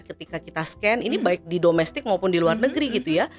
ketika kita scan ini baik di domestik maupun di luar negeri gitu ya